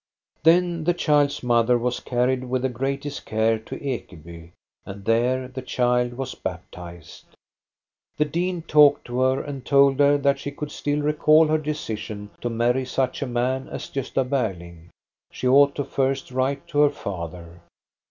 Then the child's mother was carried with the great est care to Ekeby, and there the child was baptized. The dean talked to her, and told her that she could still recall her decision to marry such a man as Gosta Berling. She ought to first write to her father.